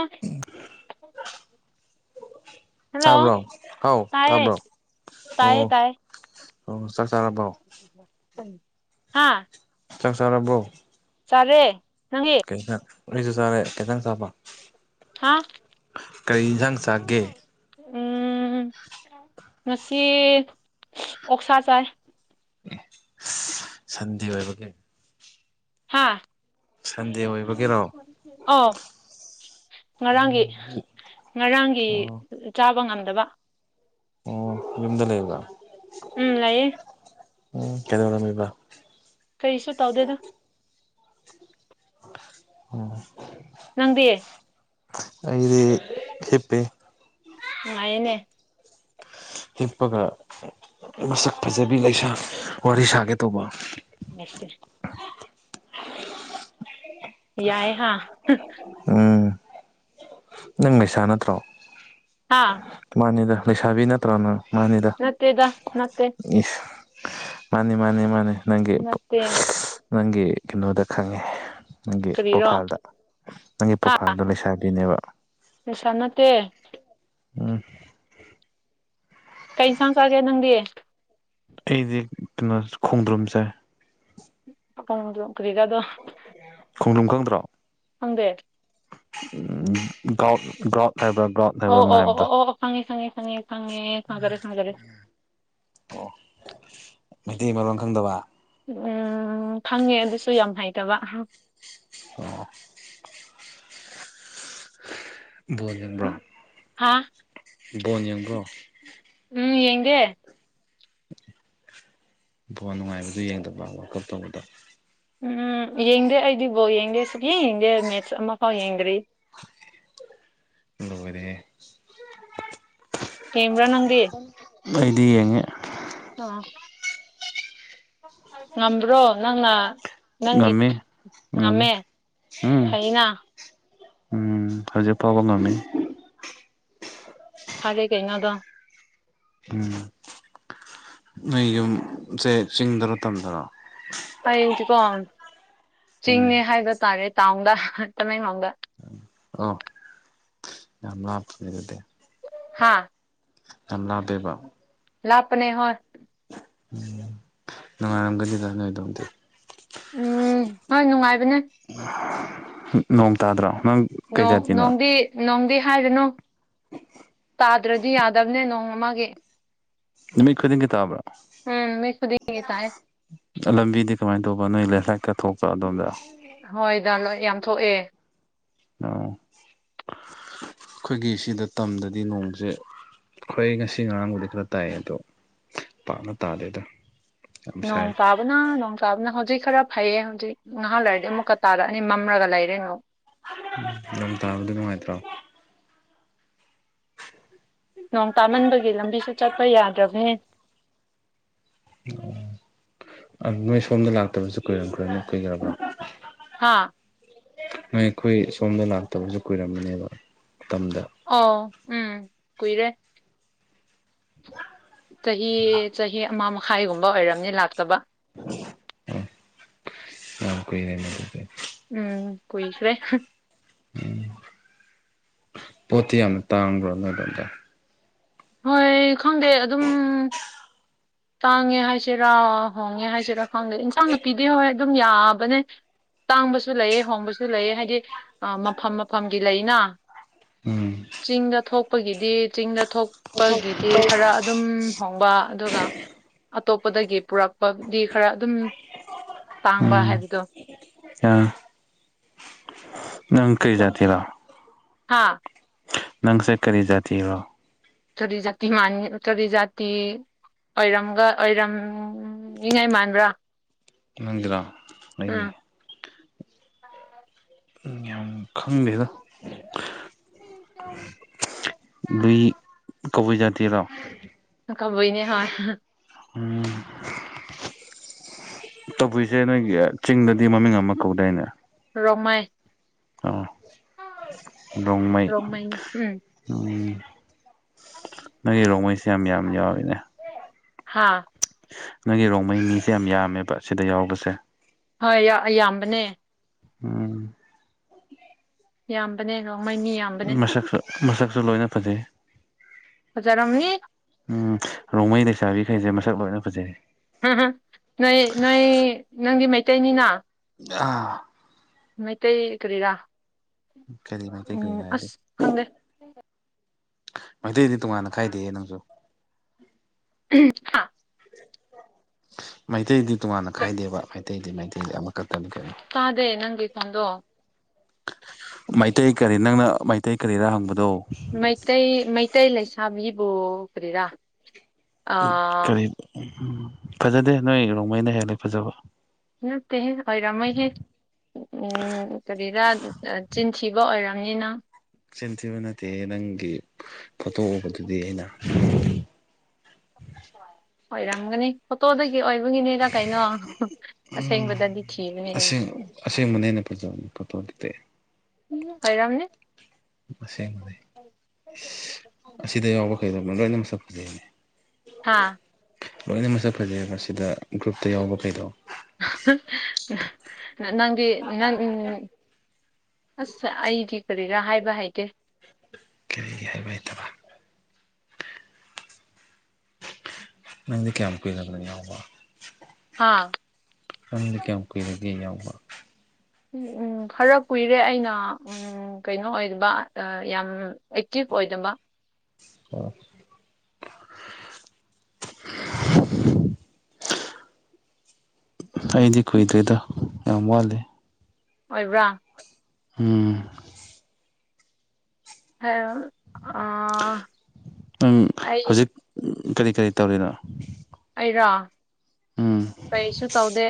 Okay ꯇꯥꯕ꯭ꯔꯣ ꯍꯥꯎ ꯇꯥꯏꯌꯦ ꯇꯥꯕ꯭ꯔꯣ ꯑꯣ ꯇꯥꯏꯌꯦ ꯑꯣ ꯆꯥꯛ ꯆꯥꯔꯕ꯭ꯔꯣ ꯍꯥꯥ ꯆꯥꯛ ꯆꯥꯔꯕ꯭ꯔꯣ ꯆꯔꯦ ꯈꯤꯇꯪ ꯑꯩꯁꯨ ꯆꯥꯔꯦ ꯈꯤꯇꯪ ꯆꯥꯕ ꯍꯥ ꯀꯔꯤ ꯌꯦꯟꯁꯥꯡ ꯆꯥꯒꯦ ꯎꯝ ꯉꯁꯤ ꯑꯣꯛꯁꯥ ꯆꯥꯏ ꯁꯟꯗꯦ ꯑꯣꯏꯕꯒꯤ ꯍꯥꯥ ꯁꯟꯗꯦ ꯑꯣꯏꯕꯒꯤꯔꯣ ꯑꯥꯎ ꯉꯔꯥꯡꯒꯤ ꯉꯔꯥꯡꯒꯤ ꯑꯣ ꯆꯥꯕ ꯉꯝꯗꯕ ꯑꯣ ꯌꯨꯝꯗ ꯂꯩꯕ꯭ꯔ ꯎꯝ ꯂꯩꯌꯦ ꯎꯝ ꯀꯗꯧꯔꯝꯃꯤꯕ ꯀꯩꯁꯨ ꯇꯧꯗꯦꯗ ꯎꯝ ꯅꯪꯗꯤ ꯑꯩꯗꯤ ꯍꯤꯞꯄꯤ ꯅꯨꯉꯥꯏꯌꯦꯅꯦ ꯍꯤꯞꯄꯒ ꯃꯁꯛ ꯐꯖꯕꯤ ꯂꯩꯁꯥ ꯋꯥꯔꯤ ꯁꯥꯒꯦ ꯇꯧꯕ ꯁ [unintelligible] ꯌꯥꯏ ꯍꯥꯥ ꯎꯝ ꯅꯪ ꯂꯩꯩꯁꯥ ꯅꯠꯇ꯭ꯔꯣ ꯍꯥꯥ ꯃꯥꯅꯤꯗ ꯂꯩꯁꯥꯕꯤ ꯅꯠꯇ꯭ꯔꯣ ꯅ ꯃꯥꯅꯤꯗ ꯅꯠꯇꯦꯗ ꯅꯠꯇꯦ ꯃꯥꯅꯦ ꯃꯥꯅꯦ ꯃꯥꯅꯦ ꯅꯪꯒꯤ ꯅꯠꯇꯦ ꯅꯪꯒꯤ ꯀꯩꯅꯣꯗ ꯈꯪꯉꯦ ꯅꯪꯒꯤ ꯀꯔꯤꯔꯣ ꯄ꯭ꯔꯣꯐꯥꯏꯜꯗ ꯅꯪꯒꯤ ꯄ꯭ꯔꯣꯐꯥꯏꯜꯗꯣ ꯂꯩꯁꯥꯕꯤꯅꯦꯕ ꯄꯩꯁꯥ ꯅꯠꯇꯦ ꯎꯝ ꯀꯩ ꯏꯟꯁꯥꯡ ꯆꯥꯒꯦ ꯅꯪꯗꯤ ꯑꯩꯗꯤ ꯀꯩꯅꯣ ꯈꯣꯡꯗ꯭ꯔꯨꯝ ꯆꯥꯏ ꯈꯣꯡꯗ꯭ꯔꯨꯝ ꯀꯔꯤꯔꯗꯣ ꯈꯣꯡꯗ꯭ꯔꯨꯝ ꯈꯪꯗ꯭ꯔꯣ ꯈꯪꯗꯦ ꯒꯥꯎ ꯒ꯭ꯔꯥꯎꯠ ꯍꯥꯏꯕ꯭ꯔꯥ ꯒ꯭ꯔꯥꯎꯠ ꯍꯥꯏꯕ꯭ꯔꯥ ꯑꯣ ꯑꯃ ꯑꯣ ꯑꯣ ꯍꯥꯏꯕꯗꯣ ꯑꯣ ꯑꯣ ꯑꯣ ꯐꯪꯉꯦ ꯐꯪꯉꯦ ꯐꯪꯉꯦ ꯐꯪꯉꯦ ꯊꯖꯔꯦ ꯊꯖꯔꯦ ꯑꯣ ꯃꯩꯇꯩ ꯃꯔꯣꯟ ꯈꯪꯗꯕ ꯎꯝ ꯈꯪꯉꯦ ꯑꯗꯨꯁꯨ ꯌꯥꯝ ꯍꯩꯇꯕ ꯑꯣ ꯕꯣꯟ ꯌꯦꯡꯕ꯭ꯔꯣ ꯍꯥ ꯕꯣꯟ ꯌꯦꯡꯕ꯭ꯔꯣ ꯎꯝ ꯌꯦꯡꯗꯦ ꯕꯣꯟ ꯅꯨꯡꯉꯥꯏꯕꯗꯨ ꯌꯦꯡꯗꯕ ꯋꯥꯜ ꯀꯞ ꯇꯧꯕꯗꯣ ꯎꯝ ꯌꯦꯡꯗꯦ ꯑꯩꯗꯤ ꯕꯣꯜ ꯌꯦꯡꯗꯦ ꯁꯨꯛꯌꯦꯡ ꯌꯦꯡꯗꯦ ꯃꯦꯠꯁ ꯑꯃꯐꯥꯎ ꯌꯦꯡꯗ꯭ꯔꯤ ꯂꯣꯏꯔꯦꯍꯦ ꯀꯦꯝꯕ꯭ꯔꯥ ꯅꯪꯗꯤ ꯑꯩꯗꯤ ꯌꯦꯡꯉꯦ ꯑ ꯉꯝꯕ꯭ꯔꯣ ꯅꯪꯅ ꯅꯪꯒꯤ ꯉꯝꯃꯤ ꯉꯝꯃꯤ ꯉꯝꯃꯦ ꯎꯝ ꯐꯩꯅ ꯎꯝ ꯍꯧꯖꯤꯛꯐꯥꯎꯕ ꯉꯝꯃꯤ ꯐꯔꯦ ꯀꯩꯅꯣ ꯑꯗꯣ ꯎꯝ ꯅꯣꯏ ꯌꯨꯝꯖꯦ ꯆꯤꯡꯗꯔꯣ ꯇꯝꯗꯔꯣ ꯍꯌꯦꯡꯆꯤꯀꯣꯝ ꯎꯝ ꯆꯤꯡꯅꯦ ꯍꯥꯏꯕ ꯇꯥꯔꯦ ꯇꯥꯎꯟꯗ ꯇꯃꯦꯡꯂꯣꯡꯗ ꯑꯣ ꯌꯥꯝ ꯂꯥꯞꯄꯤꯅꯦ ꯑꯗꯨꯗꯤ ꯍꯥꯥ ꯌꯥꯝ ꯂꯥꯞꯄꯦꯕ ꯂꯥꯞꯄꯅꯦ ꯍꯣꯏ ꯎꯝ ꯅꯨꯡꯉꯥꯏꯔꯝꯒꯗꯤꯗ ꯅꯣꯏ ꯎꯝ ꯍꯣꯏ ꯅꯨꯡꯉꯥꯏꯕꯅꯦ ꯅꯣꯡ ꯇꯥꯗ꯭ꯔꯣ ꯅꯪ ꯀꯩ ꯅꯣꯡ ꯖꯥꯇꯤꯅꯣ ꯅꯣꯡꯗꯤ ꯅꯣꯡꯗꯤ ꯍꯥꯏꯒꯅꯨ ꯇꯥꯗ꯭ꯔꯗꯤ ꯌꯥꯗꯕꯅꯦ ꯅꯣꯡꯑꯃꯒꯤ ꯅꯨꯃꯤꯠ ꯈꯨꯗꯤꯡꯒꯤ ꯇꯥꯕ꯭ꯔꯥ ꯎꯝ ꯅꯨꯃꯤꯠ ꯈꯨꯗꯤꯡꯒꯤ ꯇꯥꯏ ꯑ ꯂꯝꯕꯤꯗꯤ ꯀꯃꯥꯏ ꯇꯧꯕ ꯅꯣꯏ ꯂꯦꯟꯁ ꯂꯥꯏꯠꯪ ꯊꯣꯛꯄ꯭ꯔꯣ ꯑꯗꯣꯝꯗ ꯍꯣꯏꯗ ꯂꯣꯏ ꯌꯥꯝ ꯊꯣꯛꯑꯦ ꯑꯣ ꯈꯣꯏꯒꯤ ꯁꯤꯗ ꯇꯝꯗꯗꯤ ꯅꯣꯡꯁꯦ ꯑꯈꯣꯏ ꯉꯁꯤ ꯉꯔꯥꯡꯕꯨꯗꯤ ꯈꯔ ꯇꯥꯏꯌꯦ ꯑꯗꯣ ꯄꯥꯛꯅ ꯇꯥꯗꯦꯗ ꯌꯥꯝ ꯅꯣꯡ ꯁꯥꯏ ꯇꯥꯞ ꯕꯅ ꯅꯣꯡ ꯇꯥꯕꯅ ꯍꯧꯖꯤꯛ ꯈꯔ ꯐꯩꯌꯦ ꯍꯧꯖꯤꯛ ꯉꯍꯥꯛ ꯂꯩꯥꯏꯔꯗꯤ ꯑꯃꯨꯛꯀ ꯇꯥꯔꯛꯑꯅꯤ ꯃꯝꯔꯒ ꯂꯩꯔꯦ ꯅꯣꯛ ꯎꯝ ꯅꯣꯡ ꯇꯥꯕꯗꯤ ꯅꯨꯡꯉꯥꯏꯇ꯭ꯔꯣ ꯅꯣꯡ ꯇꯥꯃꯟꯕꯒꯤ ꯂꯝꯕꯤꯁꯨ ꯆꯠꯄ ꯌꯥꯗ꯭ꯔꯕꯅꯦ ꯑꯣ ꯑꯅꯣꯏ ꯁꯣꯝꯗ ꯂꯥꯛꯇꯕꯁꯨ ꯀꯨꯏꯔꯝꯈ꯭ꯔꯅꯤ ꯀꯨꯏꯒ꯭ꯔꯕ꯭ꯔꯣ ꯍꯥꯥ ꯅꯣꯏ ꯑꯩꯈꯣꯏ ꯁꯣꯝꯗ ꯂꯥꯛꯇꯕꯁꯨ ꯀꯨꯏꯔꯝꯃꯅꯦꯕ ꯇꯝꯗ ꯑꯣ ꯎꯝ ꯀꯨꯏꯔꯦ ꯆꯍꯤ ꯆꯍꯤ ꯑꯃ ꯃꯈꯥꯏꯒꯨꯝꯕ ꯑꯣꯏꯔꯝꯅꯤ ꯂꯥꯛꯇꯕ ꯑꯣ ꯌꯥꯝ ꯀꯨꯏꯔꯦꯅꯦ ꯑꯗꯨꯗꯤ ꯎꯝ ꯀꯨꯏꯈ꯭ꯔꯦ ꯎꯝ ꯄꯣꯠꯇꯤ ꯌꯥꯝꯅ ꯇꯥꯥꯡꯕ꯭ꯔꯣ ꯅꯣꯏ ꯑꯗꯣꯝꯗ ꯍꯣꯏ ꯈꯪꯗꯦ ꯑꯗꯨꯝ ꯇꯥꯡꯉꯦ ꯍꯥꯏꯁꯤꯔꯥ ꯍꯣꯡꯉꯦ ꯍꯥꯏꯁꯤꯔꯥ ꯈꯪꯗꯦ ꯏꯟꯁꯥꯡꯅ ꯄꯤꯗꯤ ꯍꯣꯏ ꯑꯗꯨꯝ ꯌꯥꯕꯅꯦ ꯇꯥꯡꯕꯁꯨ ꯂꯩꯑꯦ ꯍꯣꯡꯕꯁꯨ ꯂꯩꯑꯦ ꯍꯥꯏꯗꯤ ꯃꯐꯝ ꯃꯐꯝꯒꯤ ꯂꯩꯅ ꯎꯝ ꯆꯤꯡꯗ ꯊꯣꯛꯄꯒꯤꯗꯤ ꯆꯤꯡꯗ ꯊꯣꯛꯄꯒꯤꯗꯤ ꯈꯔ ꯑꯗꯨꯝ ꯍꯣꯡꯕ ꯑꯗꯨꯒ ꯑꯇꯣꯞꯄꯗꯒꯤ ꯄꯨꯔꯛꯄꯗꯤ ꯈꯔ ꯑꯗꯨꯝ ꯇꯥꯡꯕ ꯍꯥꯏꯕꯗꯣ ꯑ ꯅꯪ ꯀꯩ ꯖꯥꯇꯤꯔꯣ ꯍꯥꯥ ꯅꯪꯁꯦ ꯀꯔꯤ ꯖꯥꯇꯤꯔꯣ ꯎꯇꯗꯤ ꯖꯤ ꯃ ꯆꯗꯤꯖꯥꯇꯤ ꯑꯣꯏꯔꯝꯒ ꯑꯣꯏꯔꯝꯃꯤꯉꯥꯏ ꯃꯥꯟꯕ꯭ꯔꯥ ꯃꯪꯖꯤꯔꯥ ꯑꯩꯒꯤ ꯎꯝ ꯌꯥꯝ ꯈꯪꯗꯦꯗ ꯂꯨꯏ ꯀꯕꯨꯏ ꯖꯥꯇꯤꯗꯣ ꯀꯕꯨꯏꯅꯦ ꯍ ꯎꯝ ꯇꯧꯕꯁꯦ ꯅꯣꯏꯒꯤ ꯆꯤꯡꯗꯗꯤ ꯃꯃꯤꯡ ꯑꯃ ꯀꯧꯗꯥꯏꯅꯦ ꯔꯃꯥꯏ ꯑꯣ ꯗꯣꯡꯃꯩ ꯔꯣꯡꯃꯩꯅꯤ ꯎꯝ ꯎ ꯅꯪꯒꯤ ꯔꯣꯡꯃꯩꯁꯦ ꯌꯥꯝ ꯌꯥꯝ ꯌꯥꯎꯋꯤꯅꯦ ꯍꯥꯥ ꯅꯪꯒꯤ ꯔꯣꯡꯃꯩꯅꯤꯁꯦ ꯌꯥꯝ ꯌꯥꯝꯃꯦꯕ ꯁꯤꯗ ꯌꯥꯎꯕꯁꯦ ꯍꯣꯏ ꯏ ꯌꯥꯝꯕꯅꯦ ꯎꯝ ꯌꯥꯝꯕꯅꯦ ꯉꯃꯩꯅꯤ ꯌꯥꯝꯕꯅꯦ ꯃꯁꯛꯁꯨ ꯃꯁꯛꯁꯨ ꯂꯣꯏꯅ ꯐꯖꯩ ꯍꯖꯔꯝꯃꯤ ꯎꯝ ꯔꯣꯡꯃꯩ ꯂꯩꯁꯥꯕꯤꯈꯩꯁꯦ ꯃꯁꯛ ꯂꯣꯏꯅ ꯐꯖꯩ ꯝ ꯅꯣꯏ ꯅꯣꯏ ꯅꯪꯒꯤ ꯃꯩꯇꯩꯅꯤꯅ ꯑꯥ ꯃꯩꯇꯩ ꯀꯔꯤꯔꯥ ꯀꯔꯤ ꯃꯩꯇꯩ ꯎꯝ ꯀꯔꯤ ꯍꯥꯏꯗꯤ ꯑꯁ ꯈꯪꯗꯦ ꯃꯩꯇꯩꯗꯤ ꯇꯣꯉꯥꯟꯅ ꯈꯥꯏꯗꯦ ꯅꯪꯁꯨ ꯎ ꯍꯥ ꯃꯩꯇꯩꯗꯤ ꯇꯣꯉꯥꯟꯅ ꯈꯥꯏꯗꯦꯕ ꯃꯩꯇꯩꯗꯤ ꯃꯩꯇꯩꯗꯤ ꯑꯃꯈꯛꯇꯅꯤ ꯀꯩꯅꯣ ꯆꯗꯦ ꯅꯪꯒꯤ ꯆꯗꯣ ꯃꯩꯇꯩ ꯀꯔꯤ ꯅꯪꯅ ꯃꯩꯇꯩ ꯀꯔꯤꯔ ꯍꯪꯕꯗꯣ ꯃꯩꯇꯩ ꯃꯩꯇꯩ ꯂꯩꯁꯥꯕꯤꯕꯨ ꯀꯔꯤꯔꯥ ꯎ ꯑꯥ ꯀꯔꯤ ꯎ ꯐꯖꯗꯦ ꯅꯣꯏ ꯅꯣꯡꯃꯩꯅ ꯍꯦꯜꯂꯦ ꯐꯖꯕ ꯅꯠꯇꯦ ꯍꯣꯏꯔꯃꯩ ꯍꯦ ꯎ ꯀꯔꯤꯔꯥ ꯆꯤꯟꯊꯤꯕ ꯑꯣꯏꯔꯝꯅꯤꯅ ꯍꯛꯆꯤꯟꯊꯤꯕ ꯅꯠꯇꯦ ꯅꯪꯒꯤ ꯐꯣꯇꯣ ꯎꯕꯗꯨꯗꯤ ꯑꯩꯅ ꯑꯣꯏꯔꯝꯒꯅꯤ ꯐꯣꯇꯣꯗꯒꯤ ꯑꯣꯏꯕꯒꯤꯅꯤ ꯀꯩꯅꯣ ꯑꯁꯦꯡꯕꯗꯗꯤ ꯊꯤꯔꯌꯦ ꯑꯁꯦꯡ ꯑꯁꯦꯡꯕꯅ ꯍꯦꯟꯅ ꯐꯖꯕꯅꯤ ꯐꯣꯇꯣꯗꯨꯗꯤ ꯎ ꯍꯣꯏꯔꯝꯅꯦ ꯑꯁꯦꯡꯕ ꯂꯩ ꯑꯁꯤꯗ ꯌꯥꯎꯕ ꯀꯩꯗꯧꯕꯅꯤ ꯂꯣꯏꯅ ꯃꯁꯛ ꯐꯖꯩꯅꯤ ꯍꯥꯥ ꯂꯣꯏꯅ ꯃꯁꯛ ꯐꯖꯩꯑ ꯃꯁꯤꯗ ꯒ꯭ꯔꯨꯞꯇ ꯌꯥꯎꯕ ꯀꯩꯗꯣꯑꯣ ꯅꯪꯒꯤ ꯅꯪ ꯎ ꯑꯁ ꯑꯩꯗꯤ ꯀꯔꯤꯔꯥ ꯍꯥꯏꯕ ꯍꯥꯏꯗꯦ ꯀꯔꯤ ꯍꯥꯏꯕ ꯍꯥꯏꯇꯕ ꯅꯪꯗꯤ ꯀꯌꯥꯝ ꯀꯨꯏꯒꯅꯤ ꯌꯥꯎꯕ ꯍꯥꯥ ꯀꯪꯗꯤ ꯀꯌꯥꯝ ꯀꯨꯏꯔꯒꯦ ꯌꯥꯎꯕ ꯎꯝ ꯎꯝ ꯈꯔ ꯀꯨꯏꯔꯦ ꯑꯩꯅ ꯎꯝ ꯎ ꯀꯩꯅꯣ ꯑꯣꯏꯕ ꯌꯥꯝ ꯑꯦꯛꯇꯤꯚ ꯑꯣꯏꯗꯕ ꯑꯣ ꯑ ꯑꯩꯗꯤ ꯀꯨꯏꯗ꯭ꯣꯏꯗ ꯌꯥꯝ ꯋꯥꯠꯂꯦ ꯑꯣꯏꯕ꯭ꯔꯥ ꯎꯝ꯫ [unintelligible] ꯑꯝ ꯑꯩ ꯍꯧꯖꯤꯛ ꯀꯔꯤ ꯀꯔꯤ ꯇꯧꯔꯤꯅꯣ꯫ ꯑꯩꯔꯣ ꯎꯝ ꯀꯩꯁꯨ ꯇꯧꯗꯦ꯫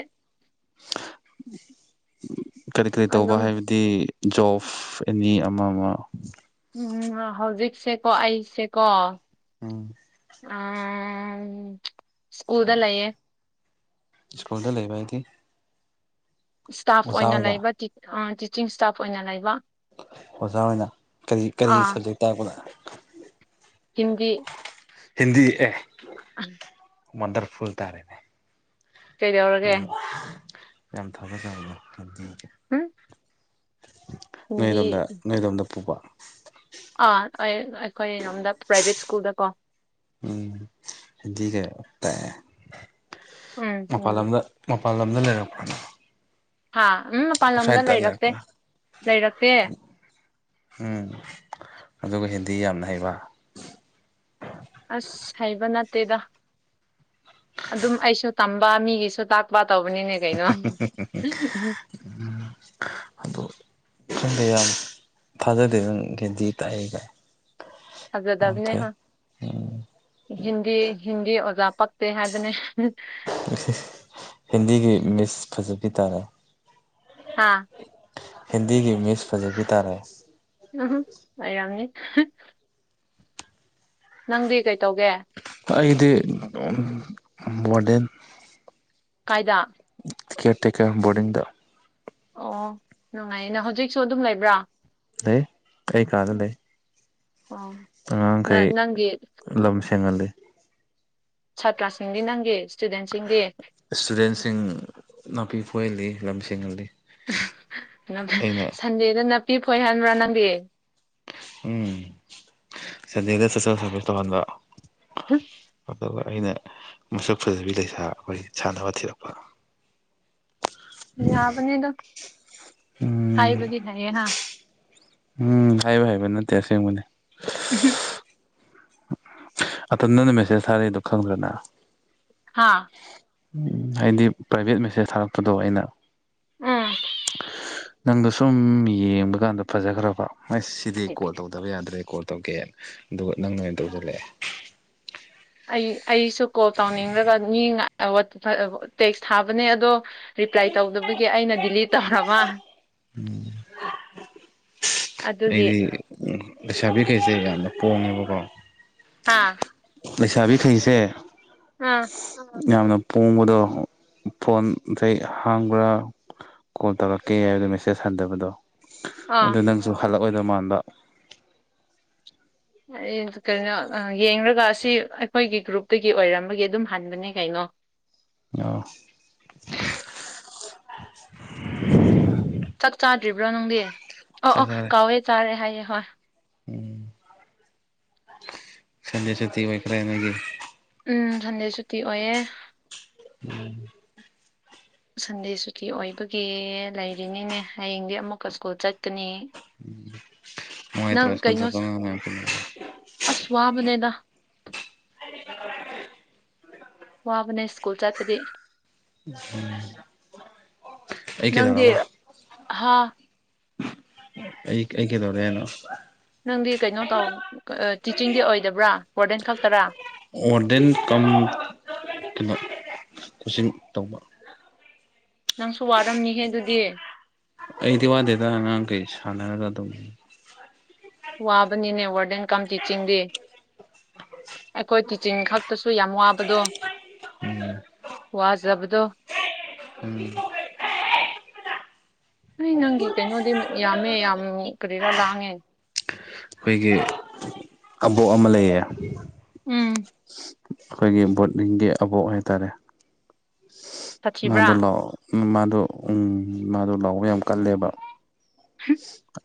ꯀꯔꯤ ꯀꯔꯤ ꯇꯧꯕ ꯑꯗꯨꯝ ꯍꯥꯏꯕꯗꯤ ꯖꯣꯐ ꯑꯦꯅꯤ ꯑꯃ ꯃ ꯎꯝꯔꫭ ꯍꯧꯖꯤꯛꯁꯦꯀꯣ ꯑꯩꯁꯦꯀꯣ ꯎꯝ꯫ ꯎꯝ ꯁꯀꯨꯜꯗ ꯂꯩꯌꯦ꯫ ꯁ꯭ꯀꯨꯜꯗ ꯂꯩꯕ ꯍꯥꯏꯗꯤ꯫ ꯁ꯭ꯇꯥꯐ ꯑꯣꯖꯥ ꯑꯣꯏꯅ ꯑꯣꯏꯕ ꯂꯩꯕ ꯇꯤ ꯎꯝ ꯇꯤꯆꯤꯡ ꯁ꯭ꯇꯥꯐ ꯑꯣꯏꯅ ꯂꯩꯕ꯫ ꯑꯣꯖꯥ ꯑꯣꯏꯅ ꯀꯔꯤ ꯀꯔꯤ ꯑꯥ ꯁꯕꯖꯦꯛ ꯇꯥꯛꯄꯔꯥ꯫ ꯍꯤꯟꯗꯤ꯫ ꯍꯤꯟꯗꯤ ꯑꯦ꯫ [unintelligible] ꯋꯟꯗꯔꯐꯨꯜ ꯇꯥꯔꯦꯅꯦ꯫ ꯀꯩꯗꯧꯔꯒꯦ [inaudible] ꯎꯝ ꯅꯣꯏꯗꯣꯝꯗ ꯍꯤꯟꯗꯤ ꯅꯣꯏꯗꯣꯝꯗ ꯄꯨꯕ꯫ ꯑꯥ ꯑꯩ ꯑꯩꯈꯣꯅꯣꯝꯗ ꯄ꯭ꯔꯥꯏꯕꯦꯠ ꯁ꯭ꯀꯨꯜꯗ ꯀꯣ꯫ ꯎꯝ ꯍꯤꯟꯗꯤ ꯀꯩ ꯇꯥꯛꯑꯦ ꯎꯝ ꯃꯄꯥꯟ ꯍꯤꯟꯗꯤ ꯂꯝꯗ ꯃꯄꯥꯟ ꯂꯝꯗ ꯂꯩꯔꯛꯄ꯭ꯔ ꯍꯥ ꯎꯝ ꯃꯄꯥꯟ ꯂꯝꯗ ꯑꯥꯎꯠꯁꯥꯏꯗꯠꯇ ꯂꯩꯔꯛꯇꯦ ꯂꯩꯔꯛꯄ꯭ꯔꯥ ꯂꯩꯔꯛꯇꯦ꯫ ꯎꯝ ꯑꯗꯨꯒ ꯍꯤꯟꯗꯤ ꯌꯥꯝꯅ ꯍꯩꯕ꯫ ꯑꯁ ꯍꯩꯕ ꯅꯠꯇꯦꯗ ꯑꯗꯨꯝ ꯑꯩꯁꯨ ꯇꯝꯕ ꯃꯤꯒꯤꯁꯨ ꯇꯥꯛ ꯕꯥ ꯇꯧꯕꯅꯤꯅꯦ ꯀꯩꯅꫭ꯫ [unintelligible] ꯑꯗꯣ ꯈꯪꯗꯦ ꯌꯥꯝ ꯊꯥꯖꯗꯦ ꯅꯪ ꯒꯦꯟꯗꯤ ꯇꯥꯛꯑꯦ ꯀꯥꯏ꯫ ꯌꯥꯝ ꯊꯖꯗꯕꯅꯦ ꯐꯩ ꯍꯥ꯫ ꯍꯤꯟꯗꯤ ꯍꯤꯟꯗꯤ ꯑꯣꯖꯥ ꯄꯛꯇꯦ ꯍꯥꯏꯕꯅꯦ꯫ [unintelligible] ꯍꯤꯟꯗꯤꯒꯤ ꯃꯤꯁ ꯐꯖꯕꯤ ꯇꯥꯔꯦ꯫ ꯑꯥ꯫ ꯍꯤꯟꯗꯤꯒꯤ ꯃꯤꯁ ꯐꯖꯕꯤ ꯇꯥꯔꯦ꯫ [unintelligible] ꯑꯩꯔꯝꯅꯤ꯫ ꯅꯪꯗꯤ ꯀꯩꯇꯧꯒꯦ꯫ ꯑꯩꯗꯤ ꯋꯥꯔꯗꯦꯟ꯫ ꯀꯥꯏꯗꯥ꯫ ꯀꯦꯔ ꯇꯦꯀꯔ ꯕꯣꯔꯗꯤꯡꯗ꯫ ꯑꯣ ꯅꯨꯡꯉꯥꯏꯌꯦ ꯅ ꯍꯧꯖꯤꯛꯁꯨ ꯑꯗꯨꯝ ꯂꯩꯕ꯭ꯔꯥ꯫ ꯂꯩ ꯑꯩ ꯀꯥꯗ ꯎꯝ. ꯂꯩ꯫ ꯑꯣ ꯅ ꯅꯪꯒꯤ ꯂꯨꯝ ꯁꯦꯡꯍꯜꯂꯤ꯫ ꯁꯥꯇ꯭ꯔꯥꯁꯤꯡꯗꯤ ꯅꯪꯒꯤ꯫ ꯁ꯭ꯇꯨꯗꯦꯟꯁꯤꯡꯗꯤ꯫ ꯏꯁ꯭ꯇꯨꯗꯦꯟꯁꯤꯡ ꯅꯥꯄꯤ ꯐꯣꯏꯍꯜꯂꯤ ꯂꯝ ꯁꯦꯡꯍꯜꯂꯤ꯫ ꯑꯩꯅ ꯁꯟꯗꯦꯗ ꯅꯥꯄꯤ ꯐꯣꯏꯍꯟꯕ꯭ꯔꯥ ꯅꯪꯗꯤ꯫ ꯎꯝ ꯁꯟꯗꯦꯗ ꯁꫭꯁꯦꯜ ꯁꯔꯚꯤꯁ ꯇꯧꯍꯟꯕ꯫ [inaudible] ꯑꯗꯨꯒ ꯑꯩꯅ ꯃꯁꯛ ꯐꯖꯕꯤ ꯂꯩꯁꯥ ꯑꯩꯈꯣꯏ ꯁꯥꯟꯅꯕ ꯊꯤꯔꯛꯄ꯫ ꯌꯥꯕꯅꯤꯗ ꯎꯝ ꯍꯥꯏꯕꯗꯤ ꯍꯩꯌꯦ ꯍꯥ꯫ ꯎꯝ ꯍꯥꯏꯕ ꯍꯩꯕ ꯅꯠꯇꯦ ꯑꯁꯦꯡꯕꯅꯦ꯫ ꯎꯝ ꯑꯇ ꯅꯪꯅ ꯃꯦꯁꯦꯁ ꯊꯥꯔꯔꯤꯗꯣ ꯈꯪꯈ꯭ꯔꯅ ꯍꯥꯥ ꯎ ꯍꯥꯏꯗꯤ ꯄ꯭ꯔꯥꯏꯚꯦꯠ ꯃꯦꯁꯦꯁ ꯊꯥꯔꯛꯄꯗꯣ ꯑꯩꯅ ꯑꯥ ꯅꯪꯗꯣ ꯁꯨꯝ ꯌꯦꯡꯕ ꯀꯥꯟꯗ ꯐꯖꯈ꯭ꯔꯕ ꯑꯁ ꯁꯤꯗꯤꯩ ꯀꯣꯜ ꯇꯧꯦ ꯇ ꯇꯕ ꯌꯥꯗ꯭ꯔꯦ ꯀꯣꯜ ꯇꯧꯒꯦꯅ ꯑꯗꯨꯒ ꯅꯪ ꯅ ꯑꯣꯏꯅ ꯇꯧꯁꯤꯜꯂꯛꯑꯦ ꯑꯩ ꯑꯩꯁꯨ ꯀꯣꯜ ꯇꯧꯅꯤꯡꯂꯒ ꯃꯤ ꯇꯦꯛꯁ ꯊꯥꯕꯅꯦ ꯑꯗꯣ ꯔꯤꯄ꯭ꯂꯥꯏ ꯇꯧꯗꯕꯒꯤ ꯑꯩꯅ ꯗꯤꯂꯤꯠ ꯇꯧꯔꯕ ꯎꯝ ꯑꯗꯨꯒꯤ ꯂꯩꯁꯥꯕꯤꯈꯩꯁꯦ ꯌꯥꯝꯅ ꯄꯣꯡꯉꯦꯕꯀꯣ ꯍꯥꯥ ꯂꯩꯁꯥꯕꯤ ꯐꯩꯁꯦ ꯑꯥ ꯌꯥꯝꯅ ꯄꯣꯡꯕꯗꯣ ꯐꯣꯟ ꯑ ꯍꯥꯡꯕ꯭ꯔꯥ ꯀꯣꯜ ꯇꯧꯔꯛꯀꯦ ꯍꯥꯏꯕꯗꯣ ꯃꯦꯁꯦꯖ ꯍꯟꯊꯕꯗꯣ ꯑꯥ ꯑꯗꯨ ꯅꯪꯁꯨ ꯍꯜꯂꯛꯑꯣꯏꯗꯧ ꯃꯥꯟꯕ ꯀꯩꯅꯣ ꯌꯦꯡꯒ ꯑꯁꯤ ꯑꯩꯈꯣꯏꯒꯤ ꯒ꯭ꯔꯨꯞꯇꯒꯤ ꯑꯣꯏꯔꯝꯕꯒꯤ ꯑꯗꯨꯝ ꯍꯟꯕꯅꯦ ꯀꯩꯅꯣ ꯑ ꯆꯥꯛ ꯆꯥꯗ꯭ꯔꯤꯕ꯭ꯔꯣ ꯅꯪꯗꯤ ꯑꯣ ꯆꯥꯛ ꯑꯣ ꯀꯥꯎꯋꯦ ꯆꯥꯔꯦ ꯍꯥꯏꯌꯦꯦ ꯍꯣꯏ ꯎꯝ ꯁꯗ ꯁꯇ ꯈ꯭ꯔꯅꯒꯤꯦ ꯎꯝ ꯁꯟꯗꯦ ꯁꯨꯇꯤ ꯑꯣꯏꯌꯦꯦ ꯎꯝ ꯁꯟꯗꯦ ꯁꯨꯇꯤ ꯑꯣꯏꯕꯒꯤ ꯂꯩꯔꯤꯅꯤꯅꯦ ꯍꯌꯦꯡꯗꯤ ꯑꯃꯨꯛꯀ ꯁ꯭ꯀꯨꯜ ꯆꯠꯀꯅꯤ ꯎꯝ ꯃ ꯇ꯭ꯔꯣ ꯏꯁꯀꯨꯜ ꯆ ꯑꯁꯋꯥꯕꯅꯦꯗꯥ ꯋꯥꯕꯅ ꯁ꯭ꯀꯨꯜ ꯆꯠꯇꯗꯤ ꯎꯝ ꯑꯩ ꯀꯦꯗꯔ ꯋꯥ ꯍꯥꯥ ꯑꯩ ꯑꯩ ꯀꯩꯗꯧꯔꯦꯅꯣ ꯅꯪꯗꯤ ꯀꯩꯅꯣ ꯇꯧ ꯇꯤꯆꯤꯡꯗꯤ ꯑꯣꯏꯗꯕ꯭ꯔꯥ ꯏꯁꯣꯔꯗꯦꯟ ꯈꯛꯇꯔꯥ ꯑꯣꯔꯗꯦꯟ ꯀꯝ ꯀꯤꯂꯣ ꯈꯨꯆ ꯇꯧꯕ ꯅꯪꯁꯨ ꯋꯥꯔꯝꯅꯤꯍꯦ ꯑꯗꯨꯗꯤ ꯑꯩꯗꯤ ꯋꯥꯗꯦꯗ ꯅꯥꯡ ꯀꯩ ꯁꯥꯟꯅꯔꯒ ꯑꯗꯨꯝ ꯋꯥꯕꯅꯤꯅꯦ ꯋꯥꯔꯗꯦꯟ ꯀꯝ ꯇꯤꯆꯤꯡꯗꯤ ꯑꯩꯈꯣꯏ ꯇꯤꯆꯤꯡ ꯈꯛꯇꯁꯨ ꯌꯥꯝ ꯋꯥꯕꯗꯣ ꯋꯥꯖꯕꯗꯣ ꯎꯝ ꯅꯣꯏ ꯅꯪꯒꯤ ꯀꯩꯅꯣꯗꯤ ꯌꯥꯝꯃꯦ ꯌꯥꯝ ꯀꯔꯤꯔꯥ ꯂꯥꯡꯉꯦ ꯑꯩꯈꯣꯏꯒꯤ ꯑꯕꯣꯛ ꯑꯃ ꯂꯩꯌꯦ ꯎꯝ ꯑꯩꯈꯣꯏꯒꯤ ꯕꯣꯠꯅꯤꯡꯒꯤ ꯑꯕꯣꯛ ꯍꯥꯏꯇꯥꯔꯦ ꯁꯥꯊꯤꯕ꯭ꯔꯥ ꯃꯥꯗꯣ ꯂꯥꯛꯑꯣ ꯎ ꯃꯥꯗꯣ ꯎꯝ ꯃꯥꯗꯣ ꯂꯥꯛꯑꯣ ꯌꯥꯝ ꯀꯜꯂꯦꯕ ꯍ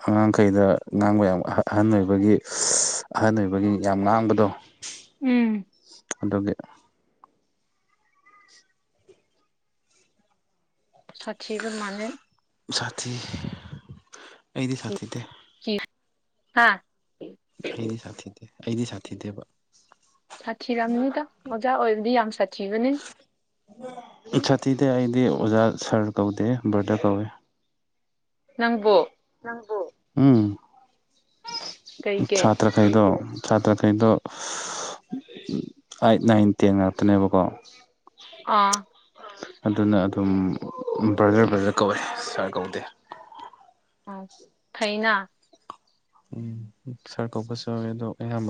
ꯑꯉꯥꯡꯈꯩꯗ ꯉꯥꯡꯕ ꯌꯥꯝ ꯑꯍꯟ ꯑꯣꯏꯕꯒꯤ ꯑꯍꯟ ꯑꯣꯏꯕꯒꯤ ꯌꯥꯝ ꯉꯥꯡꯕꯗꯣ ꯎꯝ ꯑꯗꯨꯒꯤ ꯁꯥꯇꯕꯨ ꯃꯅ ꯁꯥꯊꯤ ꯑꯩꯗꯤ ꯁꯥꯊꯤꯗꯦ ꯍꯥꯥ ꯑꯩꯗꯤ ꯁꯥꯊꯤꯗꯦ ꯑꯩꯗꯤ ꯁꯥꯊꯤꯗꯦꯕ ꯁꯥꯊꯤꯔꯝꯅꯤꯗ ꯑꯣꯖꯥ ꯑꯣꯏꯕꯗꯤ ꯌꯥꯝ ꯁꯥꯊꯤꯕꯅꯤ ꯁꯥꯊꯤꯗ ꯑꯩꯗꯤ ꯑꯣꯖꯥ ꯁꯥꯔ ꯀꯧꯗꯦ ꯕꯔꯗꯔ ꯀꯧꯋꯦ ꯅꯪꯕꯨꯣ ꯎꯝ ꯀꯩꯒꯤ ꯁꯥꯇ꯭ꯔꯈꯩꯗꯣ ꯁꯥꯇ꯭ꯔꯈꯩꯗꯣ ꯑꯥꯏꯠ ꯅꯥꯏꯟ ꯇꯦꯟ ꯉꯥꯛꯇꯅꯦꯕꯀꯣ ꯑꯥ ꯑꯗꯨꯅ ꯑꯗꯨꯝ ꯕ꯭ꯔꯖꯔ ꯕ꯭ꯔꯗꯔ ꯀꯧꯏꯦ ꯁꯥꯔ ꯀꯧꯗꯦ ꯎ ꯊꯩꯅꯥ ꯎꯝ ꯁꯥꯔ ꯀꯧꯕꯁꯨꯎꯋꯦ ꯑꯗꯣ ꯑꯌꯥꯝꯕꯅ